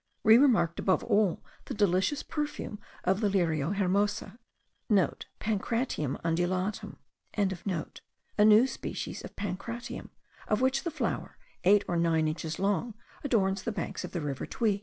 We remarked above all the delicious perfume of the Lirio hermoso,* (* Pancratium undulatum.) a new species of pancratium, of which the flower, eight or nine inches long, adorns the banks of the Rio Tuy.